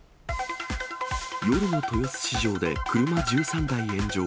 夜の豊洲市場で車１３台炎上。